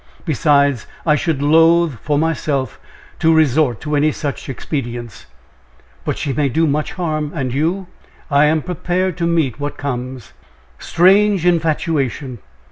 Besides, I should loathe, for myself, to resort to any such expedients." "But she may do so much harm. And you?" "I am prepared to meet what comes!" "Strange infatuation!